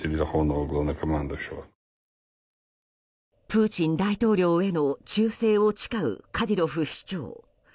プーチン大統領への忠誠を誓うカディロフ首長。